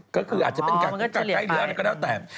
ก็คืออาจจะเป็นการกินใกล้เรือแล้วก็แล้วแต่